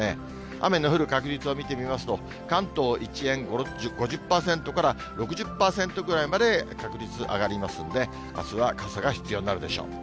雨の降る確率を見てみますと、関東一円５０％６０％ぐらいまで確率上がりますんで、あすは傘が必要になるでしょう。